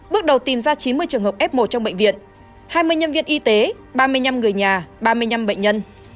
bước đầu tìm ra chín mươi trường hợp f một trong bệnh viện hai mươi nhân viên y tế ba mươi năm người nhà ba mươi năm bệnh nhân